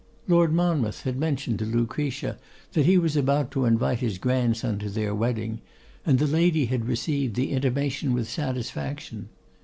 Lord Monmouth had mentioned to Lucretia, that he was about to invite his grandson to their wedding, and the lady had received the intimation with satisfaction.